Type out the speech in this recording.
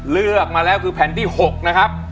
เลือกมาแล้วคือแผ่นที่๖นะครับ